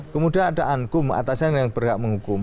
kemudian ada ankum atasan yang berhak menghukum